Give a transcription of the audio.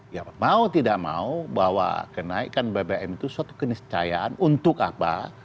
ya mau tidak mau bahwa kenaikan bbm itu suatu keniscayaan untuk apa